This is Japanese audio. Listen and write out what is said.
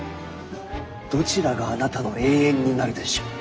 どちらがあなたの永遠になるでしょう。